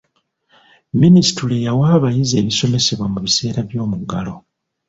Minisitule yawa abayizi ebisomebwa mu biseera by'omuggalo.